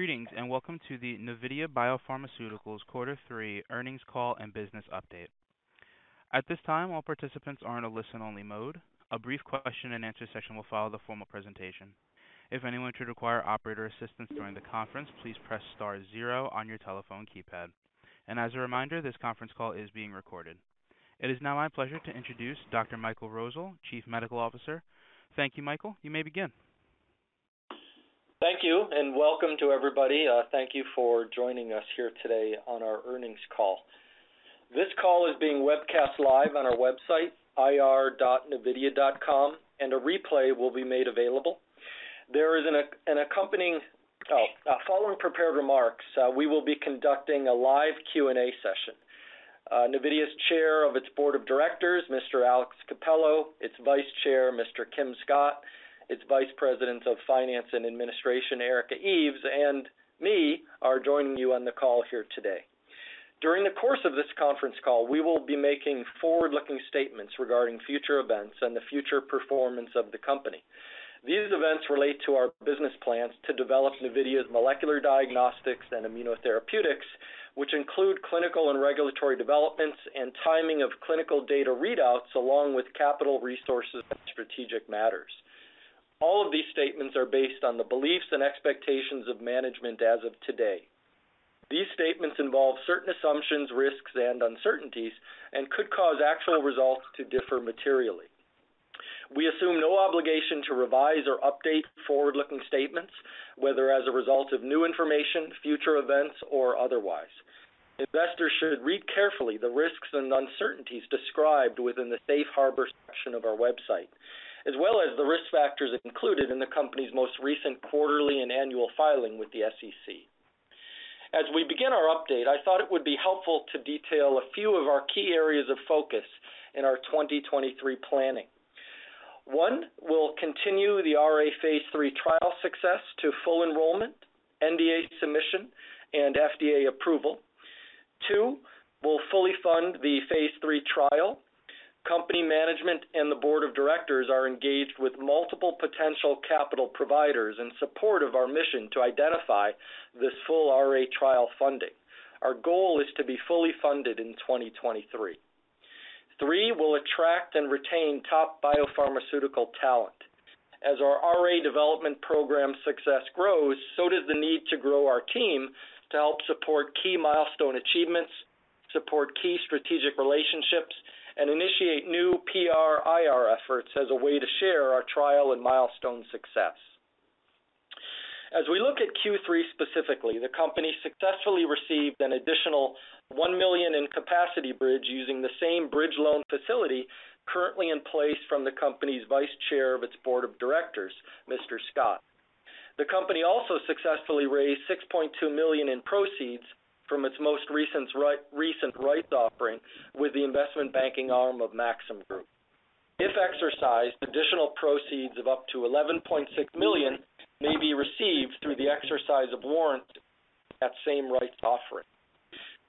Greetings, and welcome to the Navidea Biopharmaceuticals Quarter Three Earnings Call and Business Update. At this time, all participants are in a listen-only mode. A brief question-and-answer session will follow the formal presentation. If anyone should require operator assistance during the conference, please press star zero on your telephone keypad. As a reminder, this conference call is being recorded. It is now my pleasure to introduce Dr. Michael Rosol, Chief Medical Officer. Thank you, Michael. You may begin. Thank you, and welcome to everybody. Thank you for joining us here today on our earnings call. This call is being webcast live on our website, ir.navidea.com, and a replay will be made available. Following prepared remarks, we will be conducting a live Q&A session. Navidea's Chair of its Board of Directors, Mr. Alex Cappello, its Vice Chair, Mr. Kim Scott, its Vice President of Finance and Administration, Erika Eves, and me are joining you on the call here today. During the course of this conference call, we will be making forward-looking statements regarding future events and the future performance of the company. These events relate to our business plans to develop Navidea's molecular diagnostics and immunotherapeutics, which include clinical and regulatory developments and timing of clinical data readouts, along with capital resources and strategic matters. All of these statements are based on the beliefs and expectations of management as of today. These statements involve certain assumptions, risks, and uncertainties and could cause actual results to differ materially. We assume no obligation to revise or update forward-looking statements, whether as a result of new information, future events, or otherwise. Investors should read carefully the risks and uncertainties described within the Safe Harbor section of our website, as well as the risk factors included in the company's most recent quarterly and annual filing with the SEC. As we begin our update, I thought it would be helpful to detail a few of our key areas of focus in our 2023 planning. One, we'll continue the RA phase III trial success to full enrollment, NDA submission, and FDA approval. Two, we'll fully fund the phase III trial. Company management and the Board of Directors are engaged with multiple potential capital providers in support of our mission to identify this full RA trial funding. Our goal is to be fully funded in 2023. Three, we'll attract and retain top biopharmaceutical talent. As our RA development program success grows, so does the need to grow our team to help support key milestone achievements, support key strategic relationships, and initiate new PR, IR efforts as a way to share our trial and milestone success. As we look at Q3 specifically, the company successfully received an additional $1 million in capacity bridge using the same bridge loan facility currently in place from the company's Vice Chair of its Board of Directors, Mr. Scott. The company also successfully raised $6.2 million in proceeds from its most recent rights offering with the investment banking arm of Maxim Group. If exercised, additional proceeds of up to $11.6 million may be received through the exercise of warrants at same rights offering.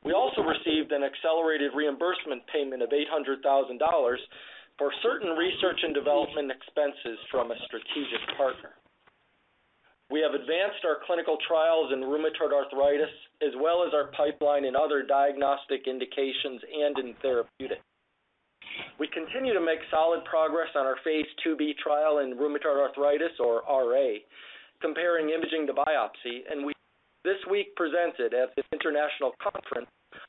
We also received an accelerated reimbursement payment of $800,000 for certain research and development expenses from a strategic partner. We have advanced our clinical trials in rheumatoid arthritis as well as our pipeline in other diagnostic indications and in therapeutics. We continue to make solid progress on our phase II-B trial in rheumatoid arthritis or RA, comparing imaging to biopsy, and we this week presented at this international conference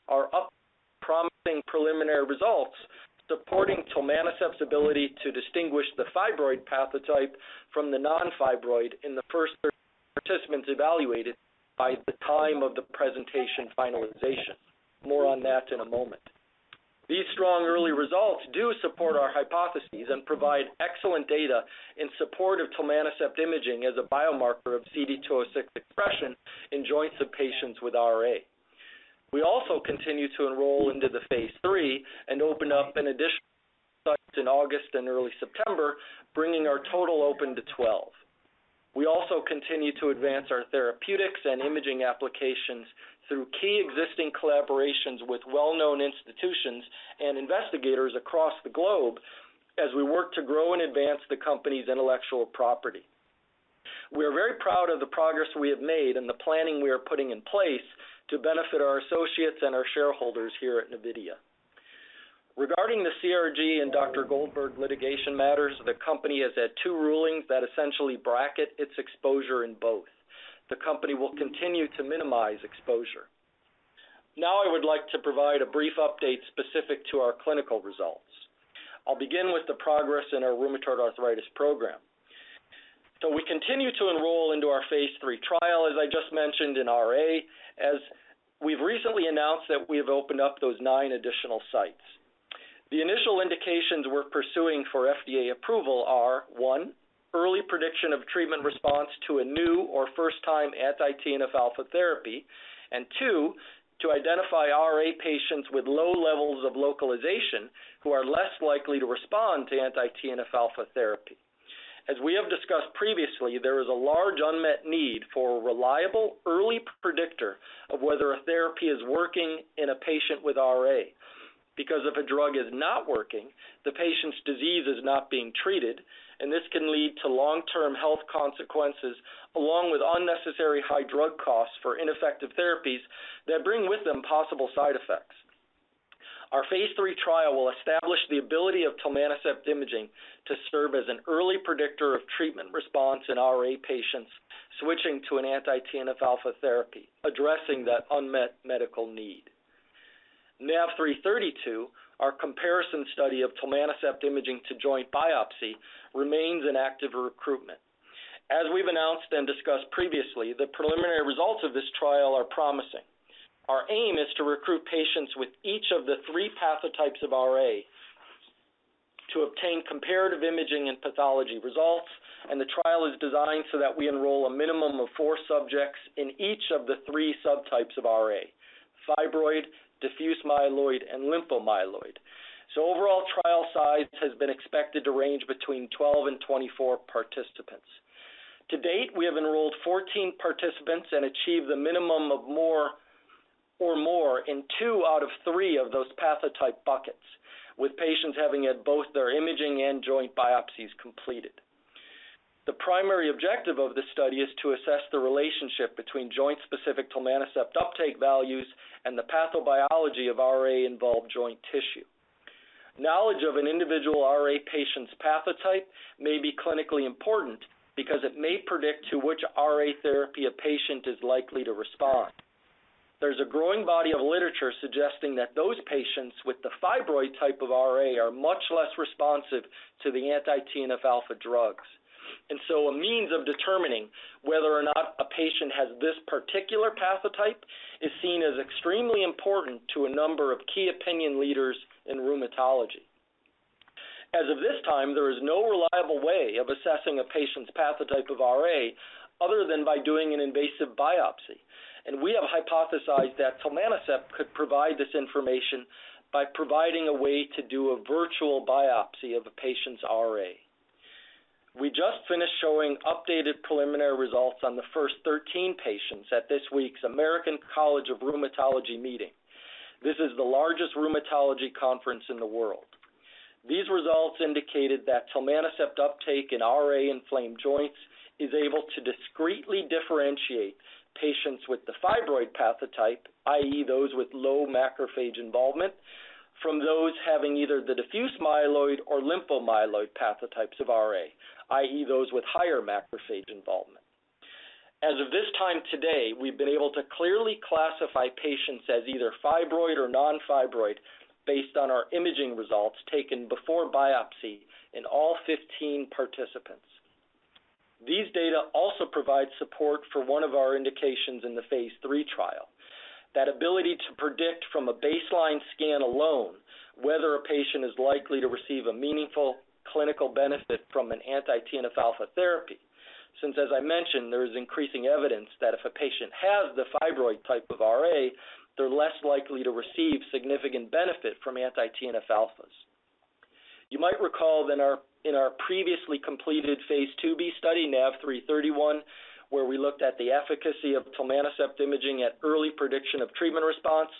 our very promising preliminary results supporting tilmanocept's ability to distinguish the fibroid pathotype from the non-fibroid in the first participants evaluated by the time of the presentation finalization. More on that in a moment. These strong early results do support our hypotheses and provide excellent data in support of tilmanocept imaging as a biomarker of CD206 expression in joints of patients with RA. We also continue to enroll into the phase III and open up an additional sites in August and early September, bringing our total open to 12. We also continue to advance our therapeutics and imaging applications through key existing collaborations with well-known institutions and investigators across the globe as we work to grow and advance the company's intellectual property. We are very proud of the progress we have made and the planning we are putting in place to benefit our associates and our shareholders here at Navidea. Regarding the CRG and Dr. Goldberg litigation matters, the company has had two rulings that essentially bracket its exposure in both. The company will continue to minimize exposure. Now, I would like to provide a brief update specific to our clinical results. I'll begin with the progress in our rheumatoid arthritis program. We continue to enroll into our phase III trial, as I just mentioned in RA, as we've recently announced that we have opened up those nine additional sites. The initial indications we're pursuing for FDA approval are, one, early prediction of treatment response to a new or first time anti-TNF alpha therapy, and two, to identify RA patients with low levels of localization who are less likely to respond to anti-TNF alpha therapy. As we have discussed previously, there is a large unmet need for a reliable early predictor of whether a therapy is working in a patient with RA. Because if a drug is not working, the patient's disease is not being treated, and this can lead to long-term health consequences, along with unnecessary high drug costs for ineffective therapies that bring with them possible side effects. Our phase III trial will establish the ability of tilmanocept imaging to serve as an early predictor of treatment response in RA patients switching to an anti-TNF alpha therapy, addressing that unmet medical need. NAV3-32, our comparison study of tilmanocept imaging to joint biopsy remains in active recruitment. As we've announced and discussed previously, the preliminary results of this trial are promising. Our aim is to recruit patients with each of the three pathotypes of RA to obtain comparative imaging and pathology results, and the trial is designed so that we enroll a minimum of four subjects in each of the three subtypes of RA, fibroid, diffuse myeloid, and lympho-myeloid. Overall, trial size has been expected to range between 12 and 24 participants. To date, we have enrolled 14 participants and achieved the minimum of more or more in two out of three of those pathotype buckets, with patients having had both their imaging and joint biopsies completed. The primary objective of this study is to assess the relationship between joint-specific tilmanocept uptake values and the pathobiology of RA-involved joint tissue. Knowledge of an individual RA patient's pathotype may be clinically important because it may predict to which RA therapy a patient is likely to respond. There's a growing body of literature suggesting that those patients with the fibroid type of RA are much less responsive to the anti-TNF alpha drugs. A means of determining whether or not a patient has this particular pathotype is seen as extremely important to a number of key opinion leaders in rheumatology. As of this time, there is no reliable way of assessing a patient's pathotype of RA other than by doing an invasive biopsy. We have hypothesized that tilmanocept could provide this information by providing a way to do a virtual biopsy of a patient's RA. We just finished showing updated preliminary results on the first 13 patients at this week's American College of Rheumatology meeting. This is the largest rheumatology conference in the world. These results indicated that tilmanocept uptake in RA-inflamed joints is able to discretely differentiate patients with the fibroid pathotype, i.e. those with low macrophage involvement, from those having either the diffuse myeloid or lympho-myeloid pathotypes of RA, i.e. those with higher macrophage involvement. As of this time today, we've been able to clearly classify patients as either fibroid or non-fibroid based on our imaging results taken before biopsy in all 15 participants. These data also provide support for one of our indications in the phase III trial. That ability to predict from a baseline scan alone whether a patient is likely to receive a meaningful clinical benefit from an anti-TNF alpha therapy. Since, as I mentioned, there is increasing evidence that if a patient has the fibroid type of RA, they're less likely to receive significant benefit from anti-TNF alpha. You might recall that in our previously completed phase II-B study, NAV3-31, where we looked at the efficacy of tilmanocept imaging at early prediction of treatment response.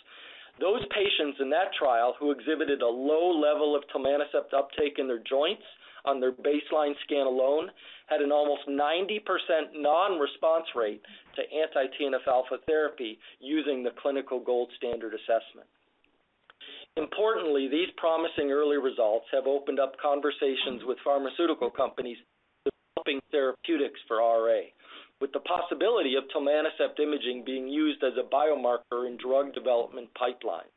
Those patients in that trial who exhibited a low level of tilmanocept uptake in their joints on their baseline scan alone had an almost 90% non-response rate to anti-TNF alpha therapy using the clinical gold standard assessment. Importantly, these promising early results have opened up conversations with pharmaceutical companies developing therapeutics for RA, with the possibility of tilmanocept imaging being used as a biomarker in drug development pipeline.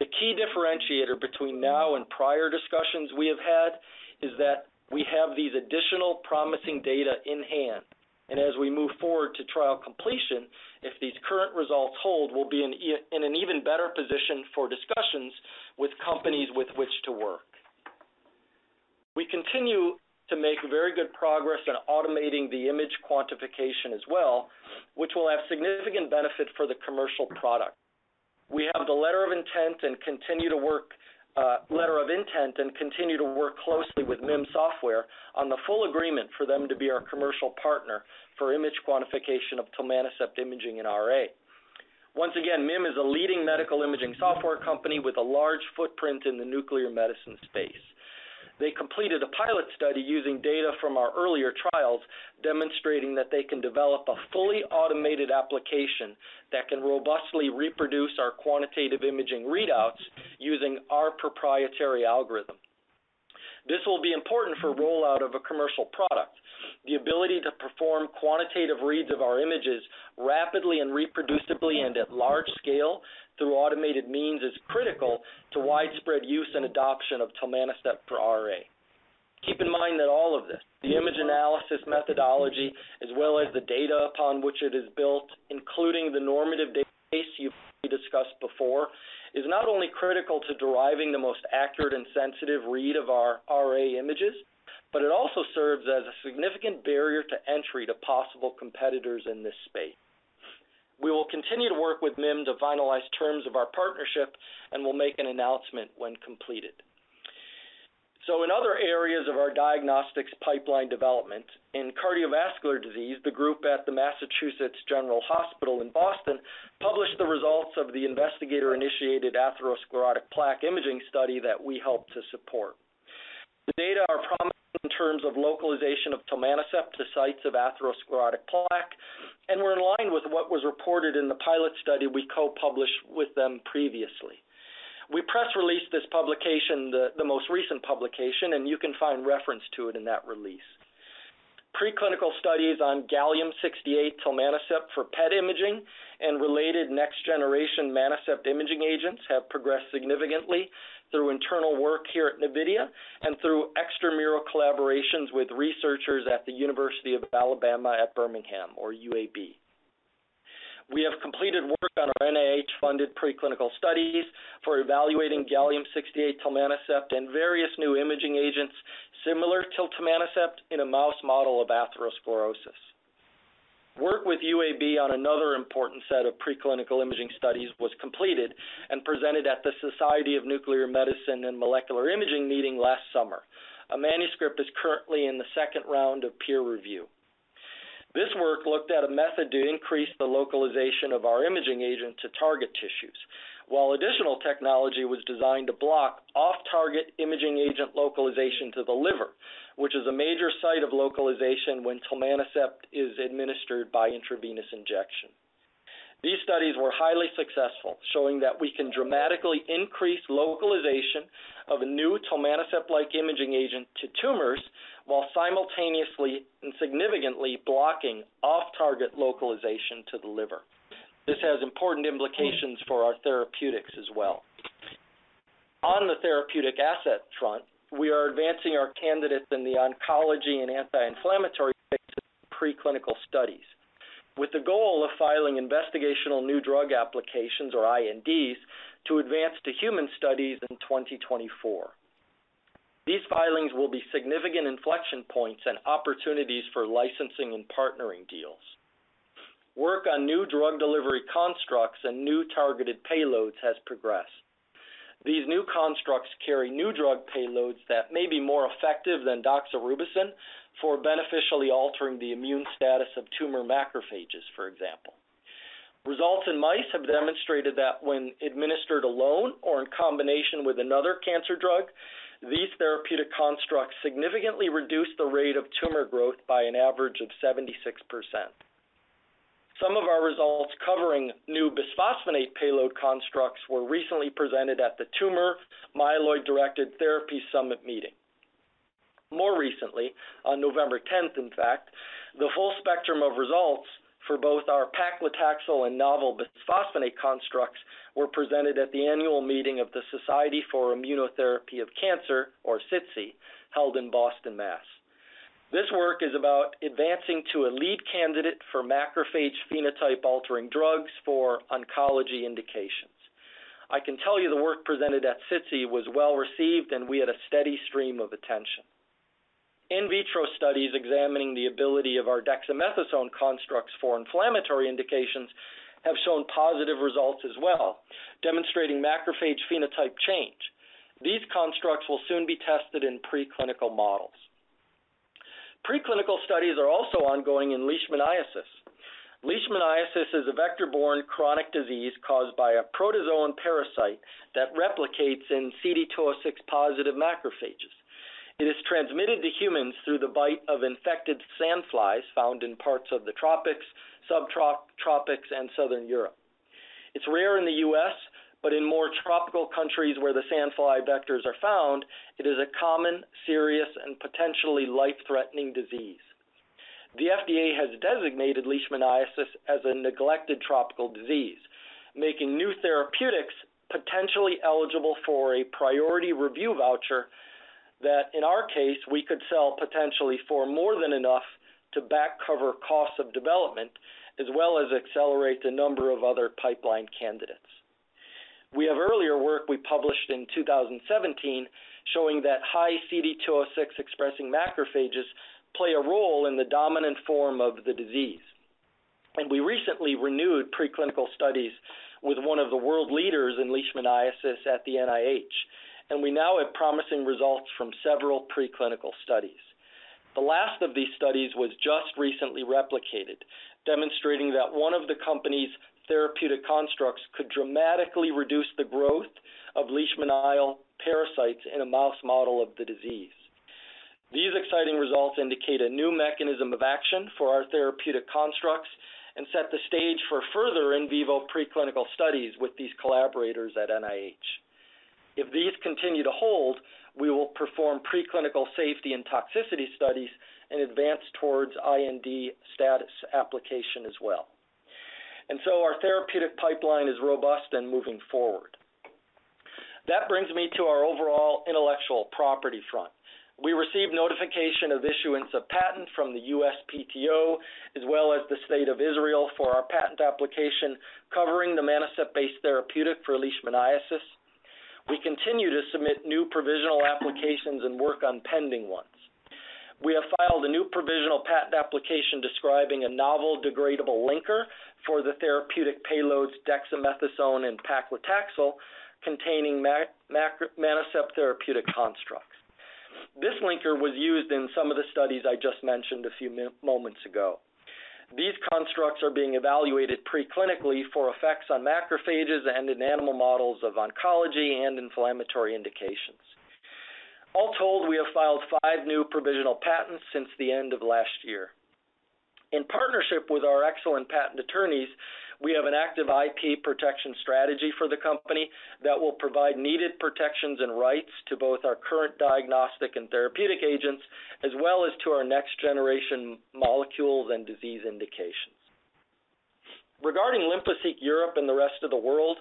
The key differentiator between now and prior discussions we have had is that we have these additional promising data in hand. As we move forward to trial completion, if these current results hold, we'll be in an even better position for discussions with companies with which to work. We continue to make very good progress in automating the image quantification as well, which will have significant benefit for the commercial product. We have the letter of intent and continue to work closely with MIM Software on the full agreement for them to be our commercial partner for image quantification of tilmanocept imaging in RA. Once again, MIM is a leading medical imaging software company with a large footprint in the nuclear medicine space. They completed a pilot study using data from our earlier trials, demonstrating that they can develop a fully automated application that can robustly reproduce our quantitative imaging readouts using our proprietary algorithm. This will be important for rollout of a commercial product. The ability to perform quantitative reads of our images rapidly and reproducibly and at large-scale through automated means is critical to widespread use and adoption of tilmanocept for RA. Keep in mind that all of this, the image analysis methodology, as well as the data upon which it is built, including the normative database we discussed before, is not only critical to deriving the most accurate and sensitive read of our RA images, but it also serves as a significant barrier to entry to possible competitors in this space. We will continue to work with MIM to finalize terms of our partnership and will make an announcement when completed. In other areas of our diagnostics pipeline development, in cardiovascular disease, the group at the Massachusetts General Hospital in Boston published the results of the investigator-initiated atherosclerotic plaque imaging study that we helped to support. The data are promising in terms of localization of tilmanocept to sites of atherosclerotic plaque, and were in line with what was reported in the pilot study we co-published with them previously. We press-released this publication, the most recent publication, and you can find reference to it in that release. Preclinical studies on Gallium 68 tilmanocept for PET imaging and related next-generation Manocept imaging agents have progressed significantly through internal work here at Navidea and through extramural collaborations with researchers at the University of Alabama at Birmingham, or UAB. We have completed work on our NIH-funded preclinical studies for evaluating Gallium 68 tilmanocept and various new imaging agents similar to tilmanocept in a mouse model of atherosclerosis. Work with UAB on another important set of preclinical imaging studies was completed and presented at the Society of Nuclear Medicine and Molecular Imaging meeting last summer. A manuscript is currently in the second round of peer review. This work looked at a method to increase the localization of our imaging agent to target tissues, while additional technology was designed to block off-target imaging agent localization to the liver, which is a major site of localization when tilmanocept is administered by intravenous injection. These studies were highly successful, showing that we can dramatically increase localization of a new tilmanocept-like imaging agent to tumors while simultaneously and significantly blocking off-target localization to the liver. This has important implications for our therapeutics as well. On the therapeutic asset front, we are advancing our candidates in the oncology and anti-inflammatory spaces in preclinical studies, with the goal of filing investigational new drug applications, or INDs, to advance to human studies in 2024. These filings will be significant inflection points and opportunities for licensing and partnering deals. Work on new drug delivery constructs and new targeted payloads has progressed. These new constructs carry new drug payloads that may be more effective than doxorubicin for beneficially altering the immune status of tumor macrophages, for example. Results in mice have demonstrated that when administered alone or in combination with another cancer drug, these therapeutic constructs significantly reduce the rate of tumor growth by an average of 76%. Some of our results covering new bisphosphonate payload constructs were recently presented at the Tumor Myeloid-Directed Therapies Summit meeting. More recently, on November 10 in fact, the full spectrum of results for both our paclitaxel and novel bisphosphonate constructs were presented at the annual meeting of the Society for Immunotherapy of Cancer, or SITC, held in Boston, Massachusetts. This work is about advancing to a lead candidate for macrophage phenotype-altering drugs for oncology indications. I can tell you the work presented at SITC was well-received, and we had a steady stream of attention. In vitro studies examining the ability of our dexamethasone constructs for inflammatory indications have shown positive results as well, demonstrating macrophage phenotype change. These constructs will soon be tested in preclinical models. Preclinical studies are also ongoing in leishmaniasis. Leishmaniasis is a vector-borne chronic disease caused by a protozoan parasite that replicates in CD206-positive macrophages. It is transmitted to humans through the bite of infected sandflies found in parts of the tropics, subtropics, and Southern Europe. It's rare in the U.S., but in more tropical countries where the sandfly vectors are found, it is a common, serious, and potentially life-threatening disease. The FDA has designated leishmaniasis as a neglected tropical disease, making new therapeutics potentially eligible for a priority review voucher that, in our case, we could sell potentially for more than enough to back-cover costs of development, as well as accelerate a number of other pipeline candidates. We have earlier work we published in 2017 showing that high CD206-expressing macrophages play a role in the dominant form of the disease. We recently renewed preclinical studies with one of the world leaders in leishmaniasis at the NIH, and we now have promising results from several preclinical studies. The last of these studies was just recently replicated, demonstrating that one of the company's therapeutic constructs could dramatically reduce the growth of leishmanial parasites in a mouse model of the disease. These exciting results indicate a new mechanism of action for our therapeutic constructs and set the stage for further in vivo preclinical studies with these collaborators at NIH. If these continue to hold, we will perform preclinical safety and toxicity studies and advance towards IND status application as well. Our therapeutic pipeline is robust and moving forward. That brings me to our overall intellectual property front. We received notification of issuance of patent from the USPTO, as well as the State of Israel, for our patent application covering the Manocept-based therapeutic for leishmaniasis. We continue to submit new provisional applications and work on pending ones. We have filed a new provisional patent application describing a novel degradable linker for the therapeutic payloads dexamethasone and paclitaxel containing Manocept therapeutic constructs. This linker was used in some of the studies I just mentioned a few moments ago. These constructs are being evaluated preclinically for effects on macrophages and in animal models of oncology and inflammatory indications. All told, we have filed five new provisional patents since the end of last year. In partnership with our excellent patent attorneys, we have an active IP protection strategy for the company that will provide needed protections and rights to both our current diagnostic and therapeutic agents, as well as to our next generation molecules and disease indications. Regarding Lymphoseek Europe and the rest of the world,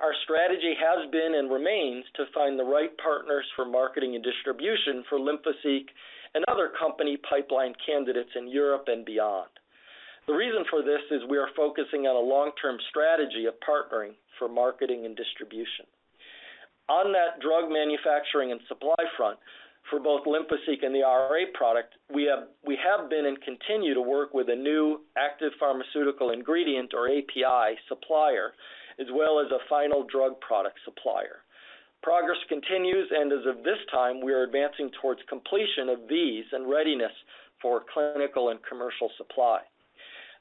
our strategy has been and remains to find the right partners for marketing and distribution for Lymphoseek and other company pipeline candidates in Europe and beyond. The reason for this is we are focusing on a long-term strategy of partnering for marketing and distribution. On that drug manufacturing and supply front, for both Lymphoseek and the RA product, we have been and continue to work with a new active pharmaceutical ingredient or API supplier, as well as a final drug product supplier. Progress continues, and as of this time we are advancing towards completion of these and readiness for clinical and commercial supply.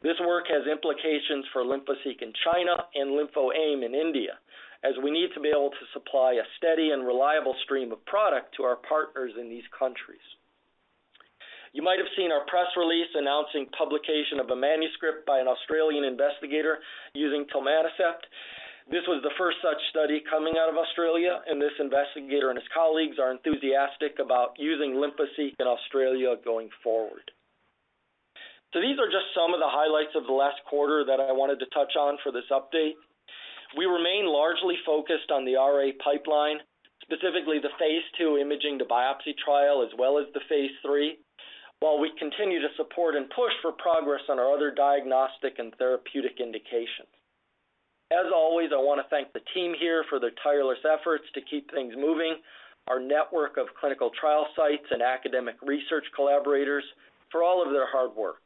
This work has implications for Lymphoseek in China and Lymphoaim in India, as we need to be able to supply a steady and reliable stream of product to our partners in these countries. You might have seen our press release announcing publication of a manuscript by an Australian investigator using tilmanocept. This was the first such study coming out of Australia, and this investigator and his colleagues are enthusiastic about using Lymphoseek in Australia going forward. These are just some of the highlights of the last quarter that I wanted to touch on for this update. We remain largely focused on the RA pipeline, specifically the phase II imaging to biopsy trial as well as the phase III, while we continue to support and push for progress on our other diagnostic and therapeutic indications. As always, I want to thank the team here for their tireless efforts to keep things moving, our network of clinical trial sites and academic research collaborators for all of their hard work.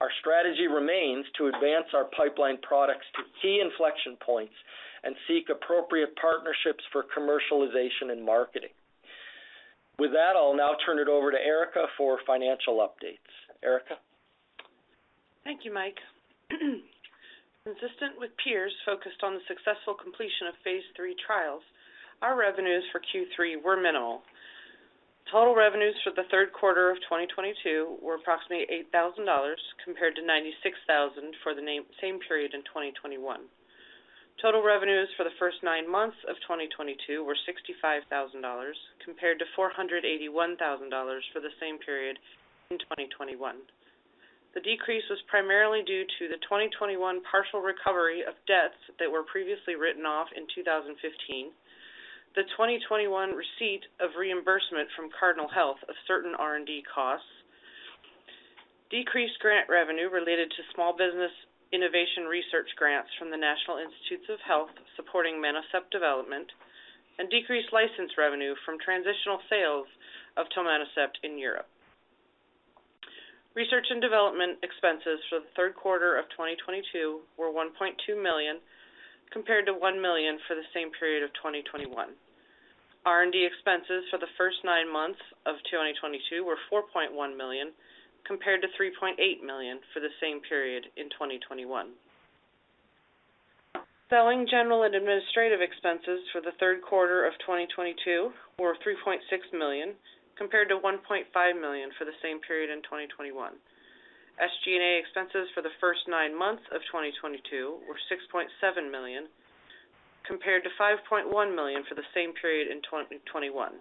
Our strategy remains to advance our pipeline products to key inflection points and seek appropriate partnerships for commercialization and marketing. With that, I'll now turn it over to Erika for financial updates. Erika? Thank you, Mike. Consistent with peers focused on the successful completion of phase III trials, our revenues for Q3 were minimal. Total revenues for the third quarter of 2022 were approximately $8,000 compared to $96,000 for the same period in 2021. Total revenues for the first nine months of 2022 were $65,000 compared to $481,000 for the same period in 2021. The decrease was primarily due to the 2021 partial recovery of debts that were previously written off in 2015, the 2021 receipt of reimbursement from Cardinal Health of certain R&D costs, decreased grant revenue related to small business innovation research grants from the National Institutes of Health supporting Manocept development, and decreased license revenue from transitional sales of tilmanocept in Europe. Research and development expenses for the third quarter of 2022 were $1.2 million, compared to $1 million for the same period of 2021. R&D expenses for the first nine months of 2022 were $4.1 million, compared to $3.8 million for the same period in 2021. Selling, general and administrative expenses for the third quarter of 2022 were $3.6 million, compared to $1.5 million for the same period in 2021. SG&A expenses for the first nine months of 2022 were $6.7 million, compared to $5.1 million for the same period in 2021.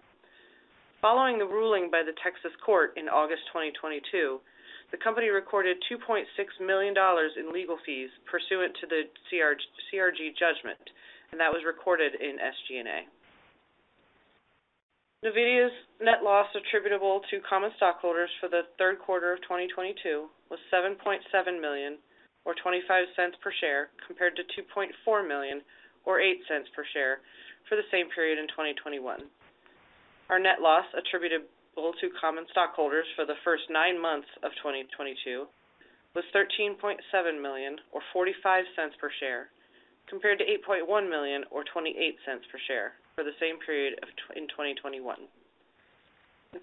Following the ruling by the Texas Court in August 2022, the company recorded $2.6 million in legal fees pursuant to the CRG judgment, and that was recorded in SG&A. Navidea's net loss attributable to common stockholders for the third quarter of 2022 was $7.7 million or $0.25 per share, compared to $2.4 million or $0.08 per share for the same period in 2021. Our net loss attributable to common stockholders for the first nine months of 2022 was $13.7 million or $0.45 per share, compared to $8.1 million or $0.28 per share for the same period in 2021.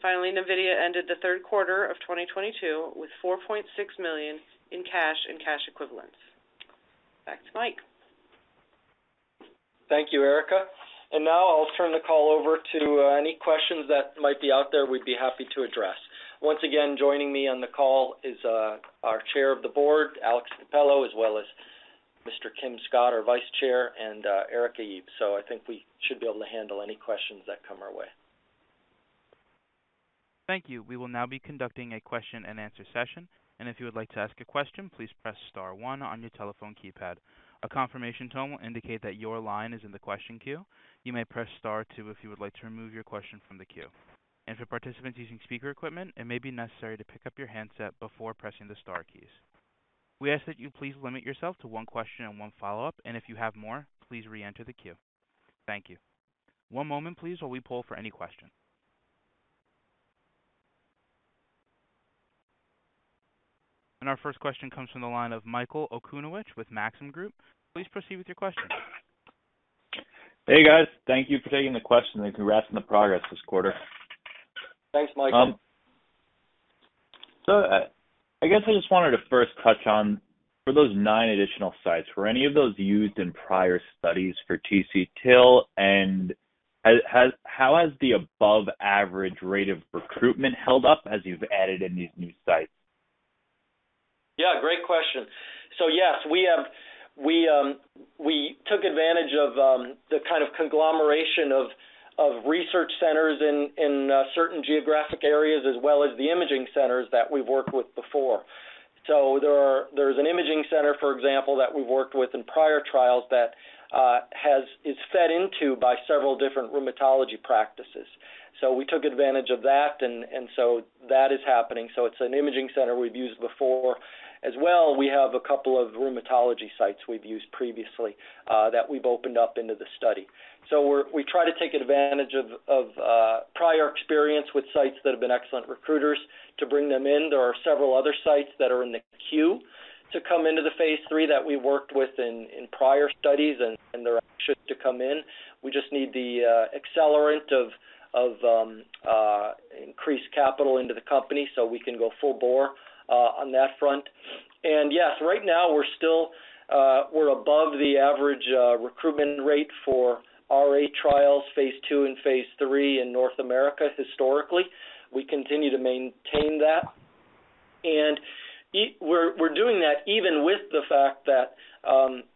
Finally, Navidea ended the third quarter of 2022 with $4.6 million in cash and cash equivalents. Back to Mike. Thank you, Erika. Now I'll turn the call over to any questions that might be out there. We'd be happy to address. Once again, joining me on the call is our Chair of the Board, Alex Cappello, as well as Mr. Kim Scott, our Vice Chair, and Erika Eves. I think we should be able to handle any questions that come our way. Thank you. We will now be conducting a question-and-answer session. If you would like to ask a question, please press star one on your telephone keypad. A confirmation tone will indicate that your line is in the question queue. You may press star two if you would like to remove your question from the queue. For participants using speaker equipment, it may be necessary to pick up your handset before pressing the star keys. We ask that you please limit yourself to one question and one follow-up, and if you have more, please reenter the queue. Thank you. One moment please, while we poll for any question. Our first question comes from the line of Michael Okunewitch with Maxim Group. Please proceed with your question. Hey, guys. Thank you for taking the question, and congrats on the progress this quarter. Thanks, Michael. I guess I just wanted to first touch on for those nine additional sites, were any of those used in prior studies for Tc-til? How has the above average rate of recruitment held up as you've added in these new sites? Yeah, great question. Yes, we took advantage of the kind of conglomeration of research centers in certain geographic areas as well as the imaging centers that we've worked with before. There is an imaging center, for example, that we worked with in prior trials that is fed into by several different rheumatology practices. We took advantage of that and so that is happening. It's an imaging center we've used before. As well, we have a couple of rheumatology sites we've used previously that we've opened up into the study. We try to take advantage of prior experience with sites that have been excellent recruiters to bring them in. There are several other sites that are in the queue to come into the phase III that we worked with in prior studies, and they're actually to come in. We just need the accelerant of increased capital into the company so we can go full bore on that front. Yes, right now we're above the average recruitment rate for RA trials phase II and phase III in North America historically. We continue to maintain that. We're doing that even with the fact that,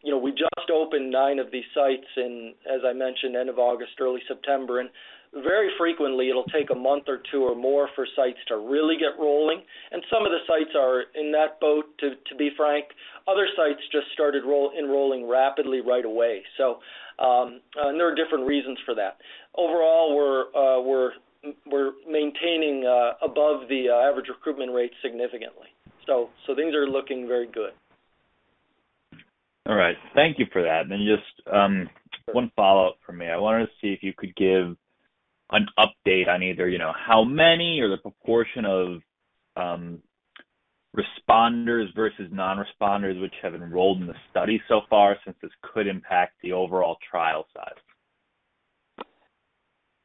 you know, we just opened nine of these sites in, as I mentioned, end of August, early September. Very frequently, it'll take a month or two or more for sites to really get rolling, and some of the sites are in that boat, to be frank. Other sites just started enrolling rapidly right away. There are different reasons for that. Overall, we're maintaining above the average recruitment rate significantly. Things are looking very good. All right. Thank you for that. Just one follow-up from me. I wanted to see if you could give an update on either, you know, how many or the proportion of responders versus non-responders which have enrolled in the study so far since this could impact the overall trial size?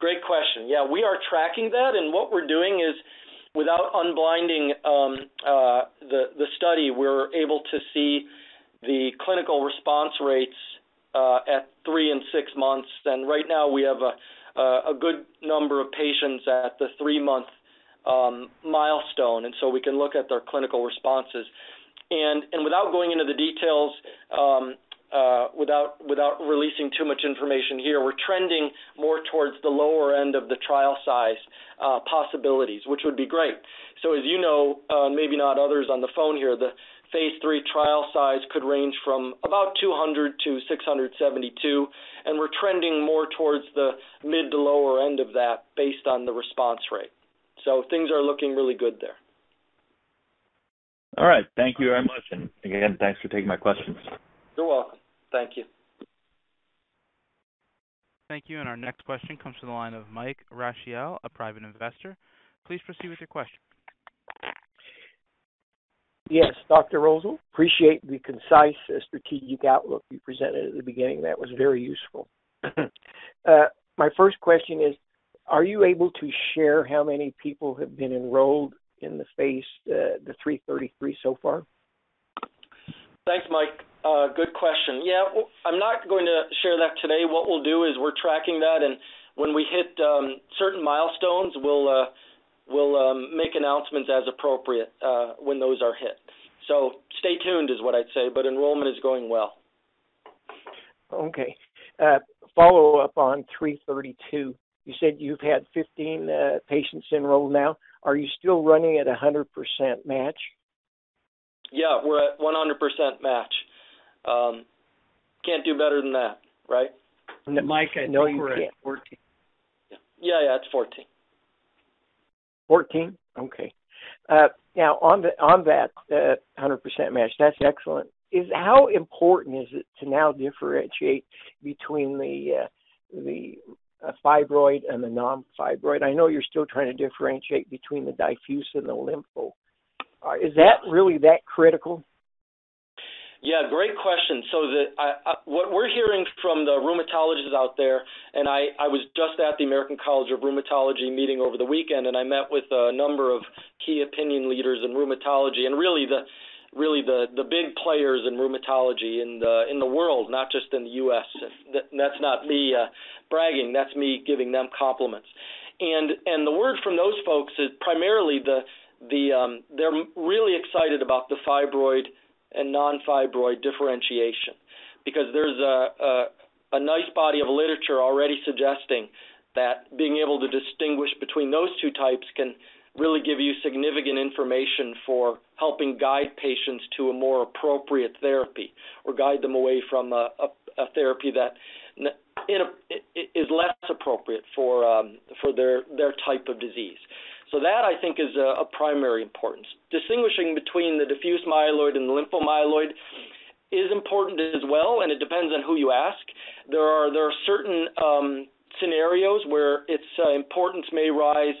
Great question. Yeah, we are tracking that, and what we're doing is, without unblinding the study, we're able to see the clinical response rates at three and six months. Right now, we have a good number of patients at the three-month milestone, and so we can look at their clinical responses. Without going into the details, without releasing too much information here, we're trending more towards the lower end of the trial size possibilities, which would be great. As you know, maybe not others on the phone here, the phase III trial size could range from about 200-672, and we're trending more towards the mid to lower end of that based on the response rate. Things are looking really good there. All right. Thank you very much. Again, thanks for taking my questions. You're welcome. Thank you. Thank you, and our next question comes from the line of Mike Rocchielli, a private investor. Please proceed with your question. Yes, Dr. Rosol, appreciate the concise strategic outlook you presented at the beginning. That was very useful. My first question is, are you able to share how many people have been enrolled in the phase, the 3-33 so far? Thanks, Mike. Good question. Yeah, I'm not going to share that today. What we'll do is we're tracking that, and when we hit certain milestones, we'll make announcements as appropriate when those are hit. Stay tuned is what I'd say, but enrollment is going well. Okay. Follow-up on 3-32, you said you've had 15 patients enrolled now. Are you still running at a 100% match? Yeah, we're at 100% match. Can't do better than that, right? Mike, I know you can 14. Yeah, yeah, it's 14. 14? Okay. Now on that 100% match, that's excellent. How important is it to now differentiate between the fibroid and the non-fibroid? I know you're still trying to differentiate between the diffuse and the lympho. Is that really that critical? Yeah, great question. What we're hearing from the rheumatologists out there, and I was just at the American College of Rheumatology meeting over the weekend, and I met with a number of key opinion leaders in rheumatology and really the big players in rheumatology in the world, not just in the U.S. That's not me bragging, that's me giving them compliments. The word from those folks is primarily the... They're really excited about the fibroid and non-fibroid differentiation because there's a nice body of literature already suggesting that being able to distinguish between those two types can really give you significant information for helping guide patients to a more appropriate therapy or guide them away from a therapy that is less appropriate for their type of disease. That I think is a primary importance. Distinguishing between the diffuse myeloid and lympho-myeloid is important as well, and it depends on who you ask. There are certain scenarios where its importance may rise,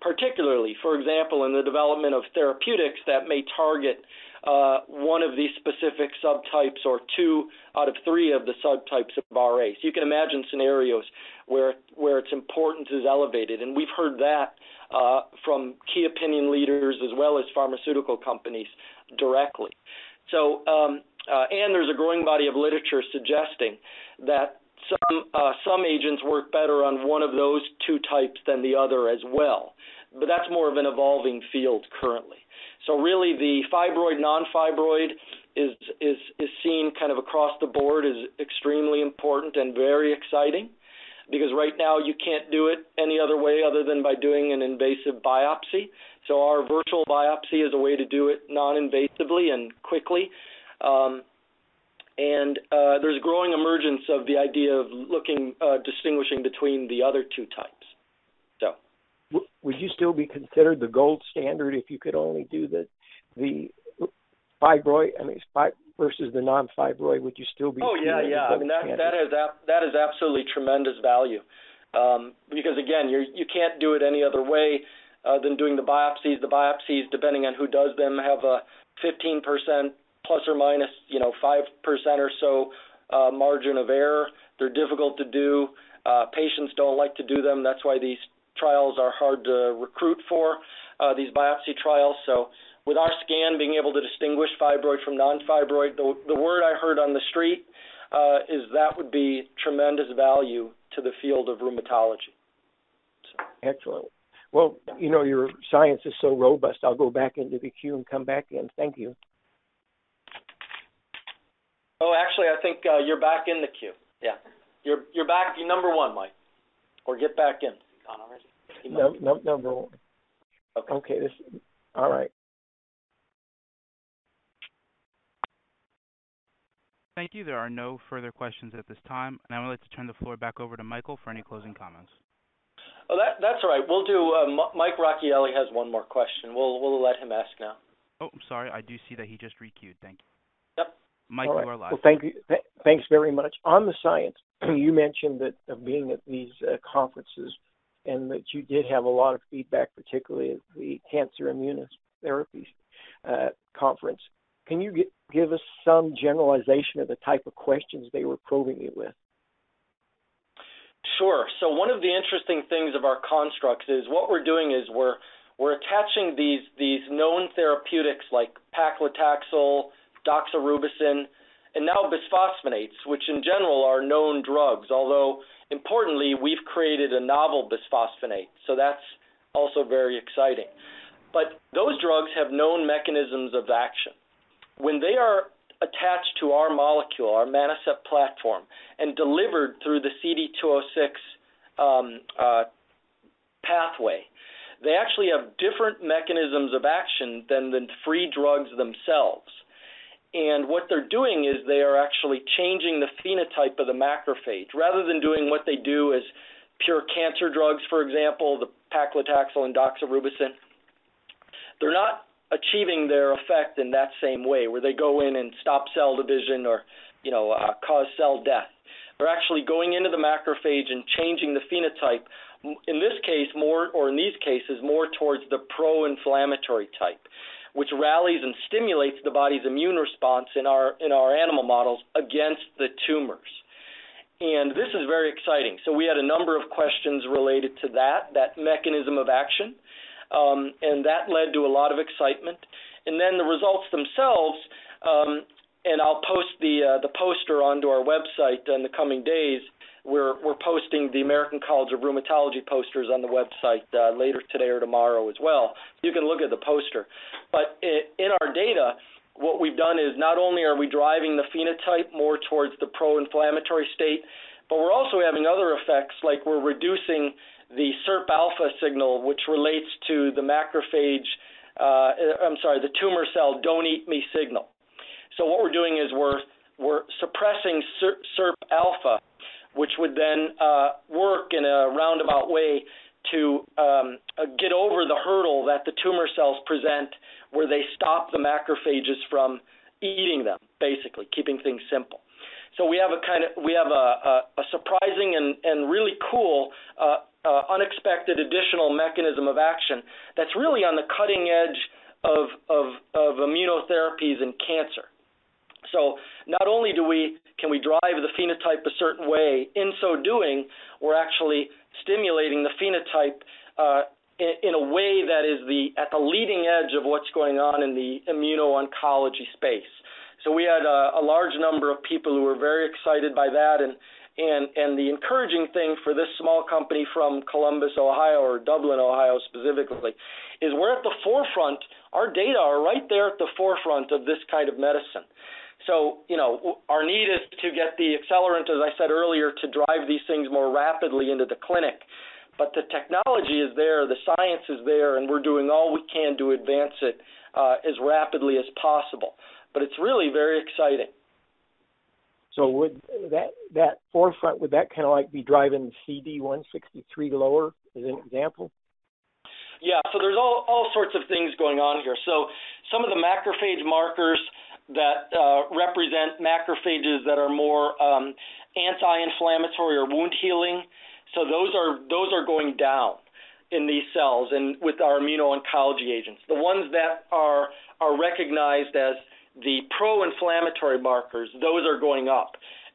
particularly for example, in the development of therapeutics that may target one of these specific subtypes or two out of three of the subtypes of RAs. You can imagine scenarios where its importance is elevated, and we've heard that from key opinion leaders as well as pharmaceutical companies directly. There's a growing body of literature suggesting that some agents work better on one of those two types than the other as well, but that's more of an evolving field currently. Really the fibroid/non-fibroid is seen kind of across the board as extremely important and very exciting because right now you can't do it any other way other than by doing an invasive biopsy. Our virtual biopsy is a way to do it non-invasively and quickly. There's growing emergence of the idea of looking, distinguishing between the other two types. Would you still be considered the gold standard if you could only do the fibroid versus the non-fibroid, would you still be the gold standard? That is absolutely tremendous value, because again, you can't do it any other way than doing the biopsies. The biopsies, depending on who does them, have a 15% ±, you know, 5% or so margin of error. They're difficult to do. Patients don't like to do them. That's why these trials are hard to recruit for, these biopsy trials. With our scan being able to distinguish fibroid from non-fibroid, the word I heard on the street is that would be tremendous value to the field of rheumatology. Excellent. Well, you know, your science is so robust. I'll go back into the queue and come back in. Thank you. Oh, actually, I think you're back in the queue. Yeah. You're back. You're number one, Mike. Or get back in. Is he gone already? No, no, number one. Okay. Okay. All right. Thank you. There are no further questions at this time, and I would like to turn the floor back over to Michael for any closing comments. Oh, that's all right. Mike Rocchielli has one more question. We'll let him ask now. Oh, I'm sorry. I do see that he just re-queued. Thank you. Yep. Mike, you are last. All right. Well, thank you. Thanks very much. On the science, you mentioned that being at these conferences and that you did have a lot of feedback, particularly at the Cancer Immunotherapy conference. Can you give us some generalization of the type of questions they were probing you with? Sure. One of the interesting things of our constructs is what we're doing is we're attaching these known therapeutics like paclitaxel, doxorubicin, and now bisphosphonates, which in general are known drugs, although importantly, we've created a novel bisphosphonate, so that's also very exciting. Those drugs have known mechanisms of action. When they are attached to our molecule, our Manocept platform, and delivered through the CD206 pathway, they actually have different mechanisms of action than the free drugs themselves. What they're doing is they are actually changing the phenotype of the macrophage. Rather than doing what they do as pure cancer drugs, for example, the paclitaxel and doxorubicin, they're not achieving their effect in that same way where they go in and stop cell division or, you know, cause cell death. They're actually going into the macrophage and changing the phenotype in this case more, or in these cases, more towards the pro-inflammatory type, which rallies and stimulates the body's immune response in our animal models against the tumors. This is very exciting. We had a number of questions related to that mechanism of action, and that led to a lot of excitement. Then the results themselves, and I'll post the poster onto our website in the coming days. We're posting the American College of Rheumatology posters on the website later today or tomorrow as well. You can look at the poster. In our data, what we've done is not only are we driving the phenotype more towards the pro-inflammatory state, but we're also having other effects like we're reducing the SIRP alpha signal, which relates to the macrophage, I'm sorry, the tumor cell "don't eat me" signal. What we're doing is we're suppressing SIRP alpha, which would then work in a roundabout way to get over the hurdle that the tumor cells present, where they stop the macrophages from eating them, basically, keeping things simple. We have a surprising and really cool unexpected additional mechanism of action that's really on the cutting edge of immunotherapies in cancer. Not only can we drive the phenotype a certain way. In so doing, we're actually stimulating the phenotype in a way that is at the leading edge of what's going on in the immuno-oncology space. We had a large number of people who were very excited by that and the encouraging thing for this small company from Columbus, Ohio or Dublin, Ohio, specifically, is we're at the forefront. Our data are right there at the forefront of this kind of medicine. You know, our need is to get the accelerant, as I said earlier, to drive these things more rapidly into the clinic. The technology is there, the science is there, and we're doing all we can to advance it as rapidly as possible. It's really very exciting. Would that forefront kinda like be driving CD163 lower, as an example? Yeah. There's all sorts of things going on here. Some of the macrophage markers that represent macrophages that are more anti-inflammatory or wound healing, those are going down in these cells and with our immuno-oncology agents. The ones that are recognized as the pro-inflammatory markers, those are going up.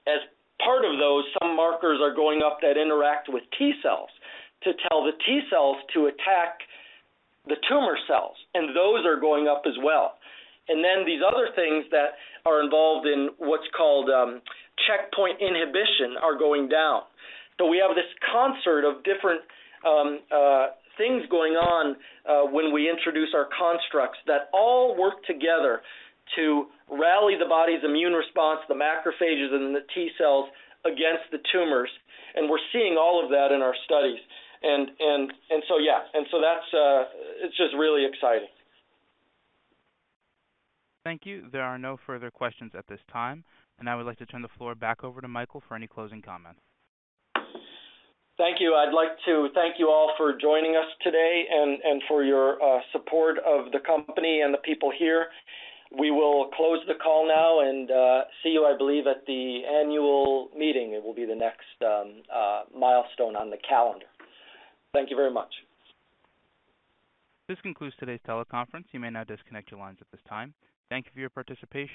As part of those, some markers are going up that interact with T cells to tell the T cells to attack the tumor cells, and those are going up as well. Then these other things that are involved in what's called checkpoint inhibition are going down. We have this concert of different things going on when we introduce our constructs that all work together to rally the body's immune response, the macrophages and the T cells against the tumors, and we're seeing all of that in our studies. Yeah. That's it. It's just really exciting. Thank you. There are no further questions at this time, and I would like to turn the floor back over to Michael for any closing comments. Thank you. I'd like to thank you all for joining us today and for your support of the company and the people here. We will close the call now and see you, I believe, at the annual meeting. It will be the next milestone on the calendar. Thank you very much. This concludes today's teleconference. You may now disconnect your lines at this time. Thank you for your participation.